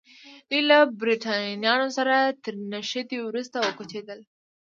دوی له برېټانویانو سره تر نښتې وروسته وکوچېدل.